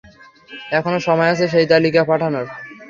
এখনো সময় আছে সেই তালিকা পাঠানোর।